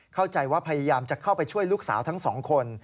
เข้าใจว่าพยายามจะเข้าไปช่วยลูกสาวทั้งสองคน